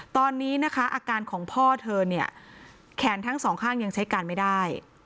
ตอนนี้นะคะอาการของพ่อเธอเนี่ยแขนทั้งสองข้างยังใช้การไม่ได้